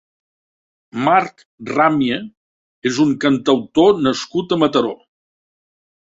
Marc Ràmia és un cantautor nascut a Mataró.